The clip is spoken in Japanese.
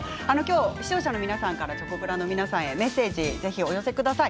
視聴者の皆さんからチョコプラの皆さんにメッセージをお寄せください。